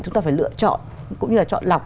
chúng ta phải lựa chọn cũng như là chọn lọc